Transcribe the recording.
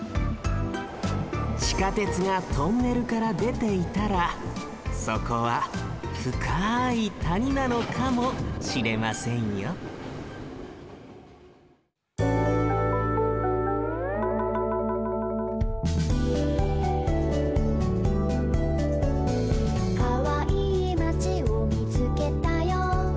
地下鉄がトンネルからでていたらそこはふかいたになのかもしれませんよ「かわいいまちをみつけたよ」